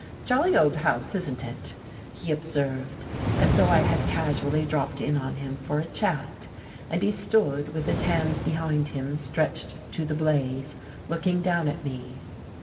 "Jolly old house, isn't it?" he observed, as though I had casually dropped in on him for a chat; and he stood, with his hands behind him stretched to the blaze, looking down at me.